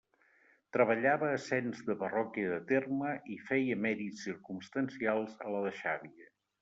Treballava ascens de parròquia de terme i feia mèrits circumstancials a la de Xàbia.